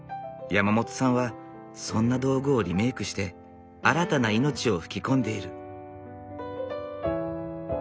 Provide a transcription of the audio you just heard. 山本さんはそんな道具をリメークして新たな命を吹き込んでいる。